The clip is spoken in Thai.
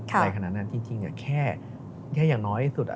อะไรขนาดนั้นจริงแค่อย่างน้อยที่สุด